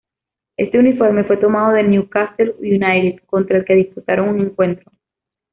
Este uniforme fue tomado del Newcastle United contra el que disputaron un encuentro.